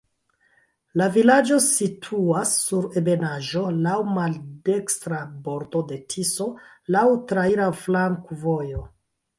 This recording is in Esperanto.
La vilaĝo situas sur ebenaĵo, laŭ maldekstra bordo de Tiso, laŭ traira flankovojo.